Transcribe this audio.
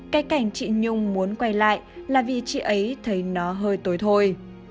cái cảnh chị nhung muốn quay lại là vì chị ấy thấy nó hơi tối thôi